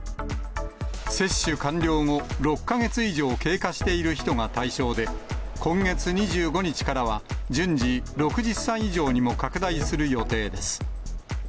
接種完了後６か月以上経過している人が対象で、今月２５日からは順次、６０歳以上にも拡大する予定です。